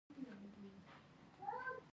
بوټونه د سپورټ لپاره بېلابېل نومونه لري.